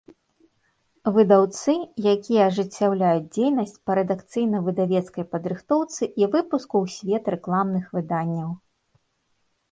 Выдаўцы, якiя ажыццяўляюць дзейнасць па рэдакцыйна-выдавецкай падрыхтоўцы i выпуску ў свет рэкламных выданняў.